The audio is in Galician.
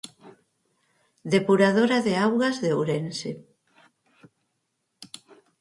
Depuradora de augas de Ourense.